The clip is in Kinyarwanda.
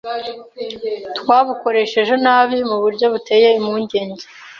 twabukoresheje nabi mu buryo buteye impungenge.